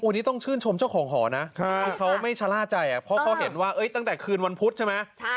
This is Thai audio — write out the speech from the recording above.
นี่ต้องชื่นชมเจ้าของหอนะคือเขาไม่ชะล่าใจเพราะเขาเห็นว่าตั้งแต่คืนวันพุธใช่ไหม